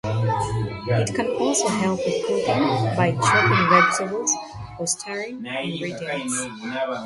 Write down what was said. It can also help with cooking by chopping vegetables or stirring ingredients.